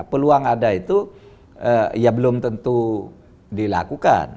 peluang ada itu ya belum tentu dilakukan